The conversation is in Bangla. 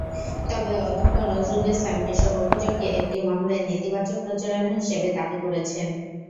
তবে অধ্যক্ষ নজরুল ইসলাম এসব অভিযোগকে একটি মহলের নেতিবাচক প্রচারণা হিসেবে দাবি করেছেন।